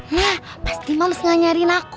nah pasti males gak nyariin aku